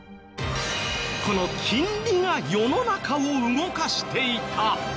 この金利が世の中を動かしていた！